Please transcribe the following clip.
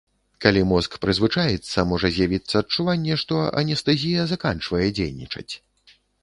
Калі мозг прызвычаіцца, можа з'явіцца адчуванне, што анестэзія заканчвае дзейнічаць.